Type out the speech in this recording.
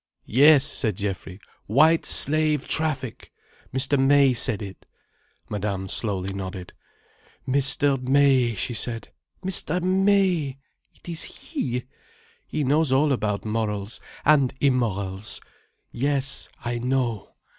"Yes," said Geoffrey. "White Slave Traffic! Mr. May said it." Madame slowly nodded. "Mr. May!" she said. "Mr. May! It is he. He knows all about morals—and immorals. Yes, I know.